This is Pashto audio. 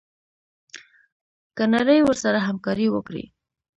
که نړۍ ورسره همکاري وکړي.